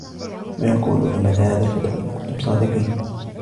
ويقولون متى هذا الفتح إن كنتم صادقين